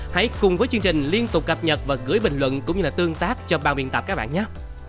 hãy cùng với chương trình liên tục cập nhật và gửi bình luận cũng như là tương tác cho bàn biện tập các bạn nhé